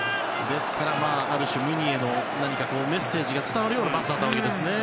ですから、ある種ムニエのメッセージが伝わるようなパスだったわけですね。